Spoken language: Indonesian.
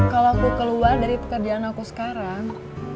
kalau aku keluar dari pekerjaan aku sekarang